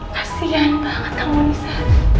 kasian banget kamu nisa